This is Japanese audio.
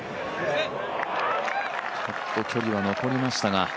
ちょっと距離は残りましたが。